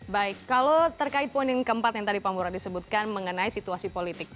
baik kalau terkait poin yang keempat yang tadi pak mura disebutkan mengenai situasi politik